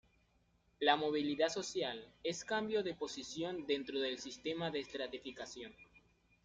La movilidad social es cambio de posición dentro del sistema de estratificación.